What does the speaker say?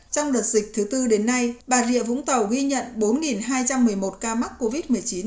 trong đợt dịch thứ tư đến nay bà rịa vũng tàu ghi nhận bốn hai trăm một mươi một ca mắc covid một mươi chín